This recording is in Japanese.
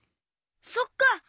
そっか！